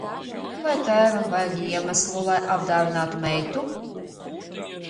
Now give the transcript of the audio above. Vai tēvam vajag iemeslu, lai apdāvinātu meitu?